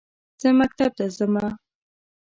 زه مکتب ته زمه